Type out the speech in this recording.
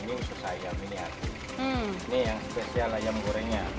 ini yang spesial ayam gorengnya